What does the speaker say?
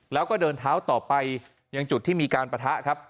แล้วก็เดินเท้าต่อไปยังจุดที่มีการปะทะครับ